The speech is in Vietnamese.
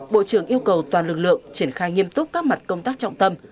bộ trưởng yêu cầu toàn lực lượng triển khai nghiêm túc các mặt công tác trọng tâm